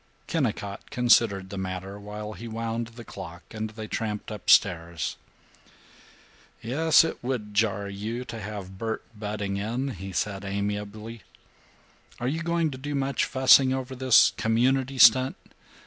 Kennicott considered the matter while he wound the clock and they tramped up stairs. "Yes, it would jar you to have Bert butting in," he said amiably. "Are you going to do much fussing over this Community stunt?